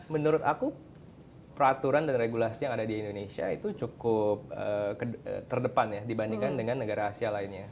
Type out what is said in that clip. menurut aku peraturan dan regulasi yang ada di indonesia itu cukup terdepan dibandingkan dengan negara asia lainnya